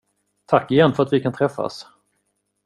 Tack igen för att vi kan träffas.